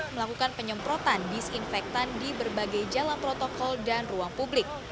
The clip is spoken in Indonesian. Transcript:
melakukan penyemprotan disinfektan di berbagai jalan protokol dan ruang publik